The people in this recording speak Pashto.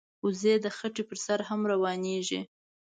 وزې د خټې پر سر هم روانېږي